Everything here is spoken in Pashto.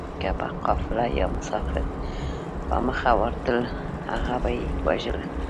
که به قافله يا مسافر په مخه ورتلل هغه به يې وژل